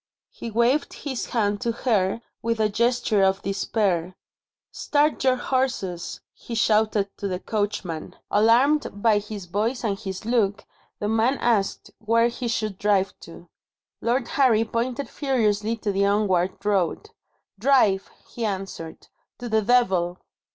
He waved his hand to her with a gesture of despair. "Start your horses," he shouted to the coachman. Alarmed by his voice and his look, the man asked where he should drive to. Lord Harry pointed furiously to the onward road. "Drive," he answered, "to the Devil!"